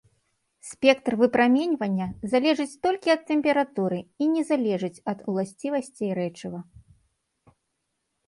Спектр выпраменьвання залежыць толькі ад тэмпературы і не залежыць ад уласцівасцей рэчыва.